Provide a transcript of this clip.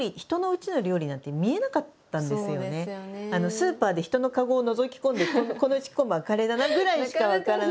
スーパーで人のカゴをのぞき込んでこのうち今晩カレーだなぐらいしか分からない。